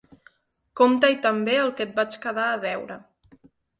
Compta-hi també el que et vaig quedar a deure.